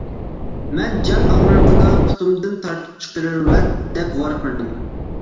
مەن جان ئاغرىقىدا:-پۇتۇمدىن تارتىپ چىقىرىۋەت-دەپ ۋارقىرىدىم.